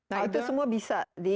nah itu semua bisa